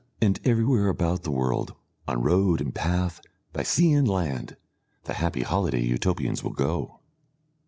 And everywhere about the world, on road and path, by sea and land, the happy holiday Utopians will go.